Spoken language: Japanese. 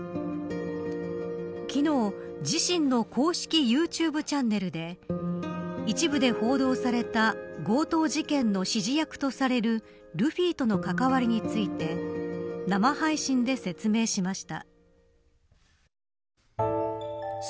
昨日、自身の公式ＹｏｕＴｕｂｅチャンネルで一部で報道された強盗事件の指示役とされるルフィとの関わりについて生配信で説明しました。